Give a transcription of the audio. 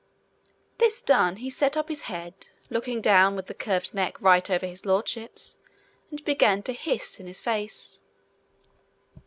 This done, he set up his head, looking down with curved neck right over His Lordship's, and began to hiss in his face.